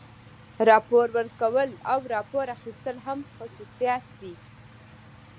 راپور ورکول او راپور اخیستل هم خصوصیات دي.